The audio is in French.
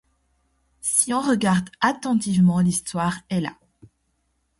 Si on regarde attentivement l'histoire est là.